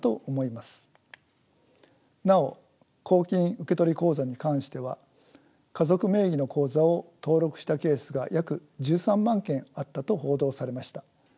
なお公金受取口座に関しては家族名義の口座を登録したケースが約１３万件あったと報道されました。